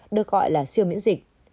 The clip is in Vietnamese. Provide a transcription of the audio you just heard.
được gọi là siêu miễn dịch